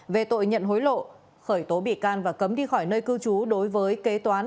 về tội nhận hối lộ khởi tố bị can và cấm đi khỏi nơi cư trú đối với kế toán